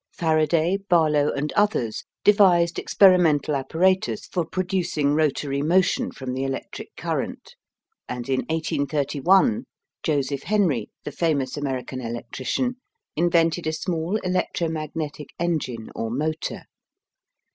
Faraday, Barlow, and others devised experimental apparatus for producing rotary motion from the electric current, and in 1831, Joseph Henry, the famous American electrician, invented a small electromagnetic engine or motor.